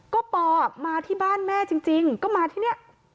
ก็ปอมาที่บ้านแม่จริงก็มาที่นี่